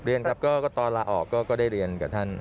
เรียนครับก็ตอนลาออกก็ได้เรียนกับท่าน